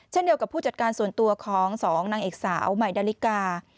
เช่นเดียวกับผู้จัดการส่วนตัวของ๒นางเอกสาวใหม่ดาลิกา